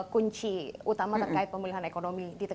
mungkin pertemuan kemarin